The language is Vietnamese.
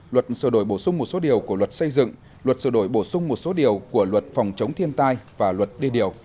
luật sửa đổi bổ sung một số điều của luật xây dựng luật sửa đổi bổ sung một số điều của luật phòng chống thiên tai và luật đê điều